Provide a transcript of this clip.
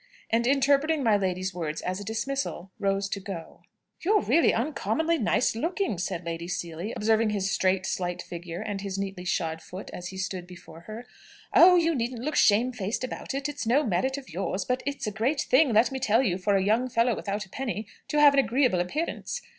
And interpreting my lady's words as a dismissal, rose to go. "You're really uncommonly nice looking," said Lady Seely, observing his straight, slight figure, and his neatly shod feet as he stood before her. "Oh, you needn't look shame faced about it. It's no merit of yours; but it's a great thing, let me tell you, for a young fellow without a penny to have an agreeable appearance.